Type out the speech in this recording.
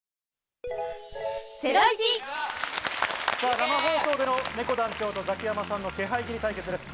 生放送でのねこ団長とザキヤマさんの気配斬り対決です。